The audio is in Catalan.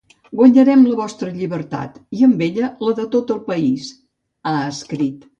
Guanyarem la vostra llibertat, i amb ella, la de tot el país, ha escrit.